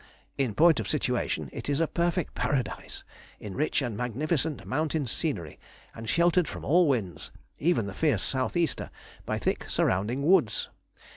In point of situation, it is a perfect paradise, in rich and magnificent mountain scenery, and sheltered from all winds, even the fierce south easter, by thick surrounding woods.